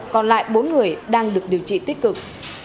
còn lại bốn người đang được điều trị tích cực